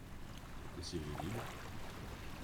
Le siège est libre ?